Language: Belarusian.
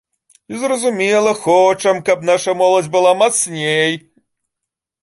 І зразумела, хочам, каб нашая моладзь была мацней.